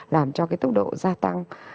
làm cho cái tốc độ gia tăng